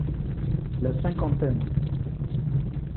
La cinquantaine.